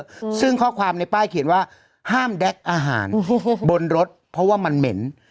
อืมซึ่งข้อความในป้ายเขียนว่าห้ามแก๊กอาหารโอ้โหบนรถเพราะว่ามันเหม็น